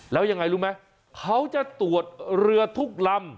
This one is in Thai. แล้วยังไงรู้ไหมเขาจะตรวจเรือทุกลำ